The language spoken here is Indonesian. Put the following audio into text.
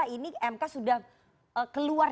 ini mk sudah keluar